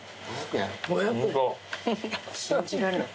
信じられない。